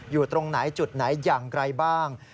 อยู่ตรงไหนจุดไหนอย่างไรบ้าง